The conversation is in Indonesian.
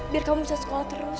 biar kamu bisa sekolah terus